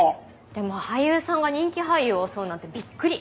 でも俳優さんが人気俳優を襲うなんてびっくり。